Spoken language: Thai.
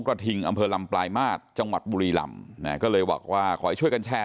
กระทิงอำเภอลำปลายมาตรจังหวัดบุรีลำนะก็เลยบอกว่าขอให้ช่วยกันแชร์